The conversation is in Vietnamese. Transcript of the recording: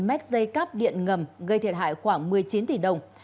một mét dây cáp điện ngầm gây thiệt hại khoảng một mươi chín tỷ đồng